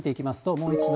もう一度。